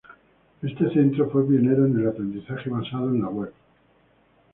Este centro fue pionero en el aprendizaje basado en web.